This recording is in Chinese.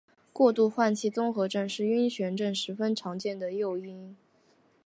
过度换气综合症是晕眩症十分常见的诱因。